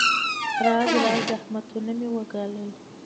راز راز زحمتونه مې وګالل.